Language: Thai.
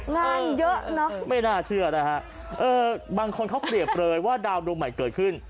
งานเยอะเนอะไม่น่าเชื่อนะฮะเออบางคนเขาเปรียบเลยว่าดาวดวงใหม่เกิดขึ้น